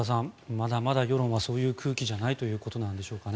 まだまだ世論はそういう空気じゃないということでしょうかね。